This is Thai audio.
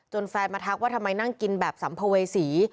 แฟนมาทักว่าทำไมนั่งกินแบบสัมภเวษี